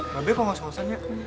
mbak be kok gak se osan ya